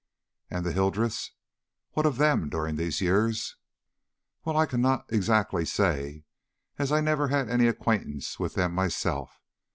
"And the Hildreths? What of them during these years?" "Well, I cannot exactly say, as I never had any acquaintance with them myself.